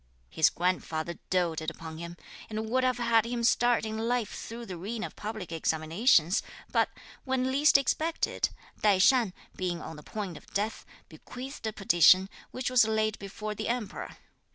His grandfather doated upon him, and would have had him start in life through the arena of public examinations, but, when least expected, Tai shan, being on the point of death, bequeathed a petition, which was laid before the Emperor.